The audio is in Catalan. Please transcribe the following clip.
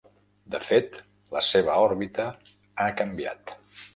De fet, la seva òrbita ha canviat.